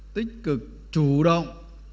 tích cực chủ động